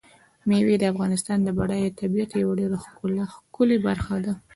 مېوې د افغانستان د بډایه طبیعت یوه ډېره ښکلې برخه ده.